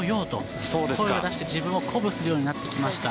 声を出して自分を鼓舞するようになってきました。